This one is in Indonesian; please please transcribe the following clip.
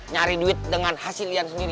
nyari duit dengan hasil yang sendiri